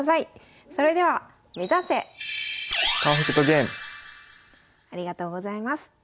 それではありがとうございます。